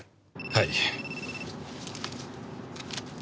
はい。